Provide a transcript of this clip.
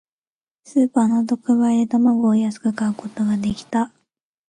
スーパーの特売で、卵を安く買うことができた。